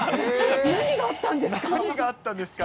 何があったんですか。